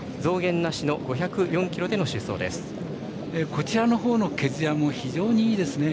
こちらのほうの毛づやも非常にいいですね。